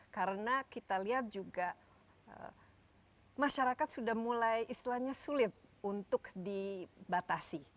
karena kita lihat juga masyarakat sudah mulai istilahnya sulit untuk dibatasi